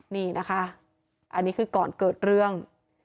นี่นะคะอันนี้คือก่อนเกิดเรื่อง